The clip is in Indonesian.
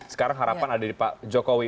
sekarang harapan ada di pak jokowi